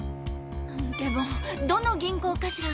でもどの銀行かしら。